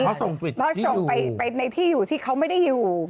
เพราะส่งไปในที่อยู่ที่เขาไม่ได้อยู่